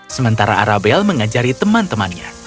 sementara arabel mengajari teman temannya